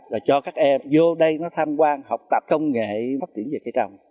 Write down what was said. rồi cho các em vô đây nó tham quan học tập công nghệ phát triển về cây trồng